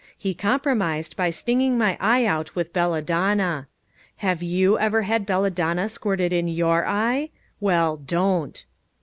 He compromised by stinging my eye out with belladonna. Have you ever had belladonna squirted in your eye? Well, don't.